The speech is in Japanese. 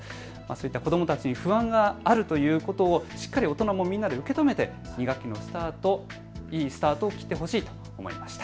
子どもたちに不安があるということをしっかり大人もみんなで受け止めて２学期のスタート、いいスタートを切ってほしいと思いました。